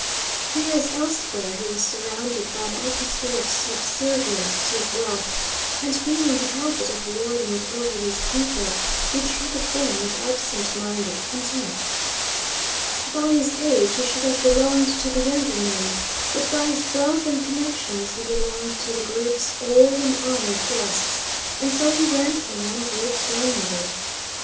Here, as elsewhere, he was surrounded by an atmosphere of subservience to his wealth, and being in the habit of lording it over these people, he treated them with absent minded contempt. By his age he should have belonged to the younger men, but by his wealth and connections he belonged to the groups of old and honored guests, and so he went from one group to another.